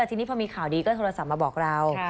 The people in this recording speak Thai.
ทีนี้พอมีข่าวดีก็โทรศัพท์มาบอกเรา